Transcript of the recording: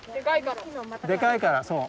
でかいからそう。